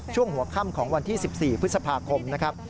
ช่วงหัวค่ำของวันที่๑๔พฤษภาคมนะครับ